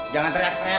jangan teriak teriak